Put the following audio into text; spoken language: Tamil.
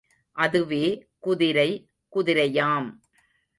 அதுவே குதிரை, குதிரையாம்!